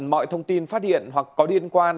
mọi thông tin phát hiện hoặc có liên quan